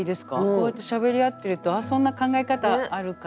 こうやってしゃべり合ってると「そんな考え方あるか」